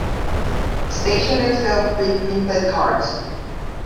Stationers sell preprinted cards.